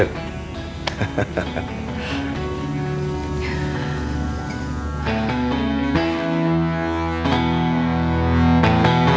terima kasih pak